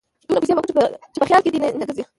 دونه پيسې به وګټو چې په خيال کې دې نه ګرځي.